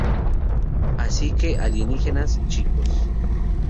Así que Alienígenas, chicos.